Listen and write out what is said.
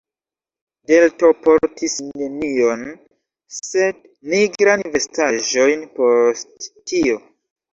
Delto portis nenion sed nigrajn vestaĵojn post tio.